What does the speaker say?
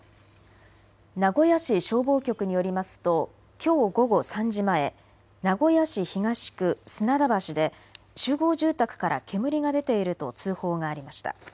名古屋市消防局によりますときょう午後３時前、名古屋市東区砂田橋で集合住宅から煙が出ていると通報がありました。